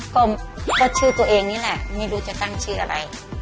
ก็ชื่อตัวเองนี่แหละไม่รู้จะตั้งชื่ออะไร